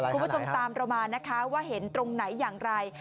คุณผู้ชมตามเรามานะคะว่าเห็นตรงไหนอย่างไร